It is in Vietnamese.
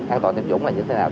an toàn tiêm dụng là như thế nào